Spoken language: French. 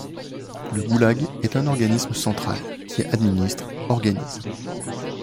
Le Goulag est un organisme central qui administre, organise.